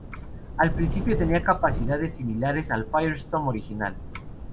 Al principio, tenía capacidades similares al Firestorm original.